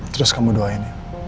terus kamu doain ya